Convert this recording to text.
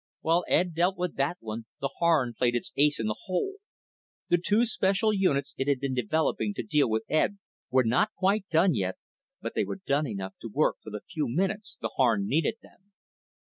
While Ed dealt with that one, the Harn played its ace in the hole. The two special units it had been developing to deal with Ed were not quite done yet, but they were done enough to work for the few minutes the Harn needed them.